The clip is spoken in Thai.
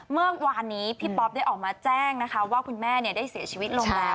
เมื่อวานนี้พี่ป๊อปได้ออกมาแจ้งนะคะว่าคุณแม่ได้เสียชีวิตลงแล้ว